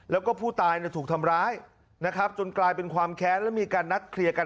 แล้วก็ผู้ตายถูกทำร้ายนะครับจนกลายเป็นความแค้นและมีการนัดเคลียร์กัน